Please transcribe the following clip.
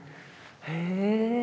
へえ。